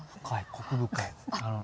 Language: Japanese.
コク深い。